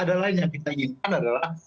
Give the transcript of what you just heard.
ada lain yang kita inginkan adalah